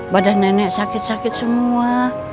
badan nenek sakit sakit semua